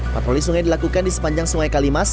patroli sungai dilakukan di sepanjang sungai kalimas